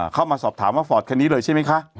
เข้ามาสอบถามว่าฟอร์ตคันนี้เลยใช่ไหมคะ